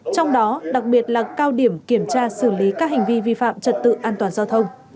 trong đó đặc biệt là cao điểm kiểm tra xử lý các hành vi vi phạm trật tự an toàn giao thông